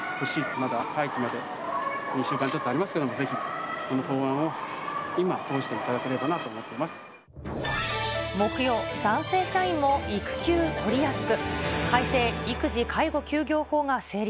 まだ会期まで２週間ちょっとありますけど、ぜひこの法案を今、通していただ木曜、男性社員も育休取りやすく。